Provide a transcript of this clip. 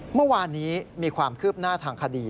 เมื่อวานนี้มีความคืบหน้าทางคดี